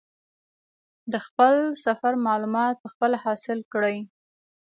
د خپل سفر معلومات په خپله حاصل کړي.